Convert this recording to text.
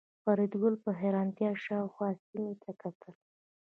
فریدګل په حیرانتیا شاوخوا سیمې ته کتل